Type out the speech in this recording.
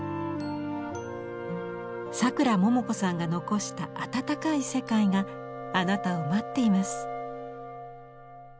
さくらももこさんが残した温かい世界があなたを待っています。